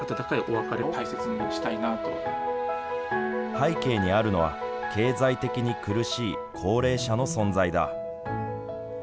背景にあるのは経済的に苦しい高齢者の存在だ。